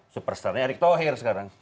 superstarnya erick thohir sekarang